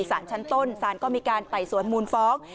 สารชั้นต้นสารก็มีการไต่สวนมูลฟ้อง